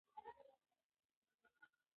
هغه د اوبو سم توزيع مهم بللی و.